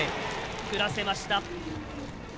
振らせました。